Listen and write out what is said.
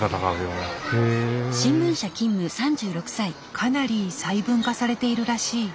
かなり細分化されているらしい。